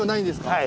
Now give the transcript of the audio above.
はい。